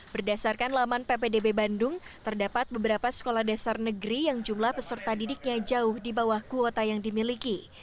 berdasarkan laman ppdb bandung terdapat beberapa sekolah dasar negeri yang jumlah peserta didiknya jauh di bawah kuota yang dimiliki